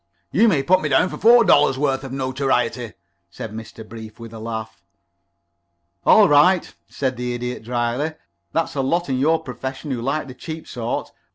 "You may put me down for four dollars' worth of notoriety," said Mr. Brief, with a laugh. "All right," said the Idiot, dryly. "There's a lot in your profession who like the cheap sort.